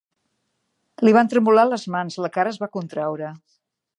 Li van tremolar les mans, la cara es va contraure.